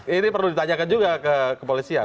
ini perlu ditanyakan juga ke kepolisian